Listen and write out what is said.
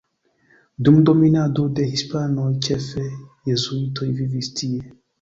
Dum dominado de hispanoj ĉefe jezuitoj vivis tie.